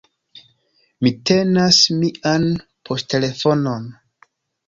Mi tenas mian poŝtelefonon.